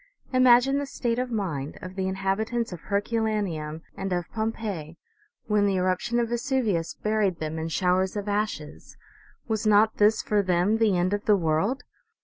Imagine the state of mind of the inhabitants of Herculaneum and of Pompeii when the eruption of Vesuvius buried them in showers of ashes ! Was not this for them the end of the world